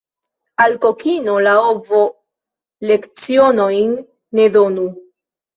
Al kokino la ovo lecionojn ne donu.